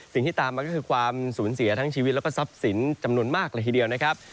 สิ่งที่ตามมาก็คือความสูญเสียทั้งชีวิตแล้วก็ทรัพย์สินจำนวนมากเลยทีเดียวนะครับ